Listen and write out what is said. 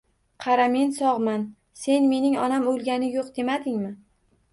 Qara, men sog'man. Sen mening onam o'lgani yo'q, demadingmi?